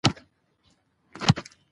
لوستې میندې د ماشوم هوساینه ساتي.